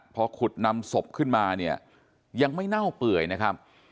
พอขุดนำศพขึ้นมาเนี่ยยังไม่เน่าเปื่อยนะครับ